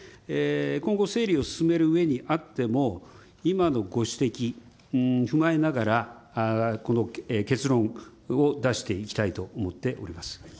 今後、整理を進めるうえにあっても、今のご指摘、踏まえながら、この結論を出していきたいと思っております。